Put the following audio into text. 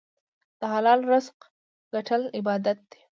د حلال رزق ګټل عبادت دی.